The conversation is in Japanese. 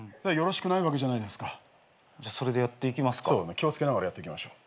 気を付けながらやっていきましょう。